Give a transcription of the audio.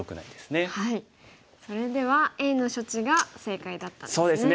それではＡの処置が正解だったんですね。